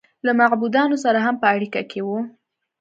له معبودانو سره هم په اړیکه کې و